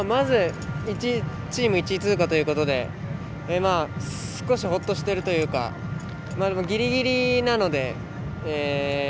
チーム１位通過ということで少しほっとしているというかギリギリなので。